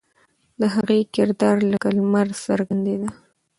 د هغې کردار لکه لمر څرګندېده.